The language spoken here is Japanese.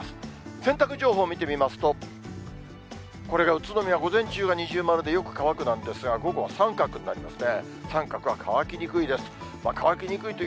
洗濯情報を見てみますと、これが宇都宮、午前中は二重丸でよく乾くなんですが、午後は三角になりますね、三角は乾きにくいです。